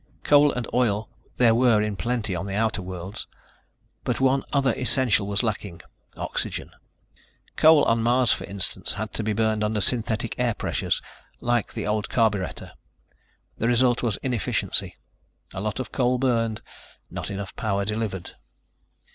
Coal and oil there were in plenty on the outer worlds, but one other essential was lacking ... oxygen. Coal on Mars, for instance, had to burned under synthetic air pressures, like the old carburetor. The result was inefficiency. A lot of coal burned, not enough power delivered.